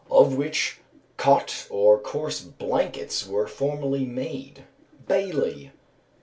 _ "Of which cotte or coarse blankets were formerly made" (BAILEY).